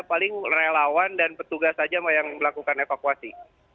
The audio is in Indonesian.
paling relawan dan petugas saja yang melakukan evakuasi